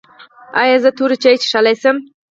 ایا زه تور چای څښلی شم؟